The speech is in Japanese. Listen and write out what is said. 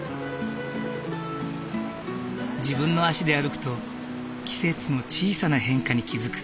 自分の足で歩くと季節の小さな変化に気付く。